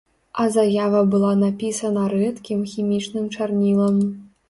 А заява была напісана рэдкім хімічным чарнілам.